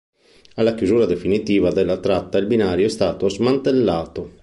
Alla chiusura definitiva della tratta il binario è stato smantellato.